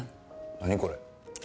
何これ？